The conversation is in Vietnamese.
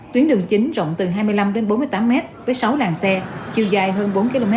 tuyến đường chính rộng từ hai mươi năm đến bốn mươi tám m với sáu làng xe chiều dài hơn bốn km